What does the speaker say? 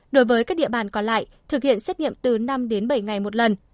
đối với các địa bàn còn lại thực hiện xét nghiệm từ năm đến bảy ngày một lần